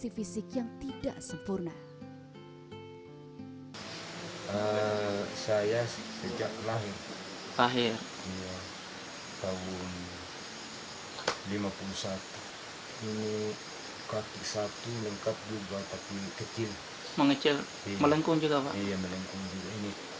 hilang satu jari